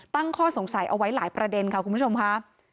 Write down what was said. ตั้งข้อสงสัยเอาไว้หลายประเด็นค่ะคุณผู้ชมค่ะ